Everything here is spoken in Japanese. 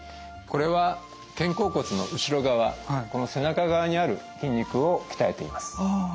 これは肩甲骨の後ろ側この背中側にある筋肉を鍛えています。